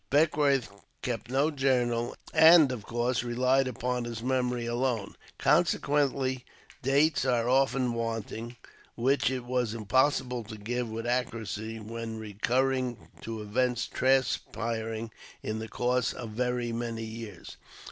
Beckwourth kept no journal, and, of course, relied upon his memory alone ; consequently dates are often wanting, which it was impossible to give with accuracy when recurring to events transpiring in the course of very many years.